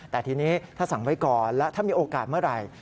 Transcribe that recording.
แต่ทีนี้ถ้าสั่งไว้ก่อนและถ้ามีโอกาสเมื่อไหร่